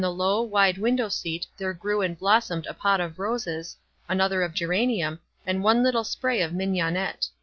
On seat there grew and bloss a L ^o v;i roses, another of geranium, and one little spray of mig nonette.